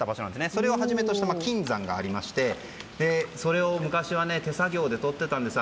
それをはじめとした金山がありましてそれを、昔は手作業で採ってたんですよ。